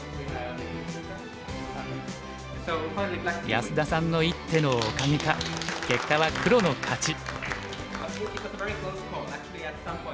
安田さんの一手のおかげか結果は黒の勝ち。